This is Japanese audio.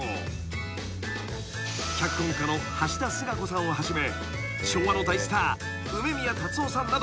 ［脚本家の橋田壽賀子さんをはじめ昭和の大スター梅宮辰夫さんなど］